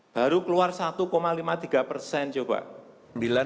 baru keluar satu lima puluh tiga persen coba